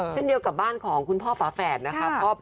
เช่นเดียวกับบ้านของคุณพ่อฝาแฝดนะคะ